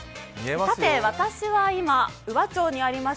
私は今、宇和町にあります